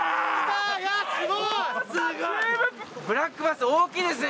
すごい！ブラックバス大きいですね。